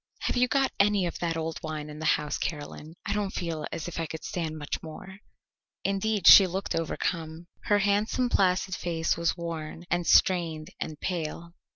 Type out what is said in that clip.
"Have you got any of that old wine in the house, Caroline? I don't feel as if I could stand much more." Indeed, she looked overcome. Her handsome placid face was worn and strained and pale.